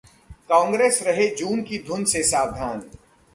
कांग्रेस रहे जून की धुन से सावधान